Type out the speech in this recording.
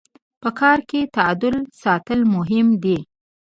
په کار کي تعادل ساتل مهم دي.